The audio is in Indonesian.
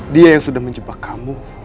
dia yang sudah menjebak kamu